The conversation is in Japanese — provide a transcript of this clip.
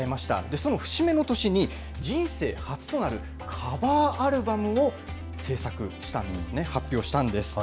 その節目の年に、人生初となるカバーアルバムを制作したんですね、発表したんです。